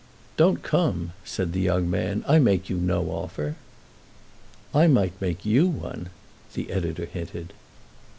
"Don't come," said the young man. "I make you no offer." "I might make you one," the editor hinted.